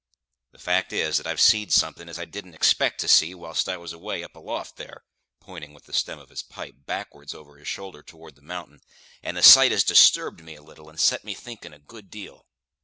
The fact is, that I've see'd something as I didn't expect to see whilst I was away up aloft there," pointing with the stem of his pipe backwards over his shoulder toward the mountain "and the sight has disturbed me a little and set me thinkin' a good deal."